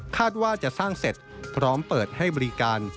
ว่าจะสร้างเสร็จพร้อมเปิดให้บริการ